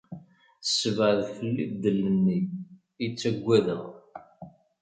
Ssebɛed fell-i ddel-nni i ttaggadeɣ.